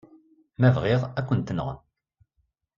Ma bɣiɣ, ad kent-nɣen.